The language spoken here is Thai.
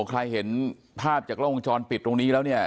ใครเห็นภาพจากกล้องวงจรปิดตรงนี้แล้วเนี่ย